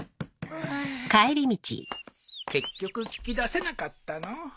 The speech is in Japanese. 結局聞き出せなかったのう。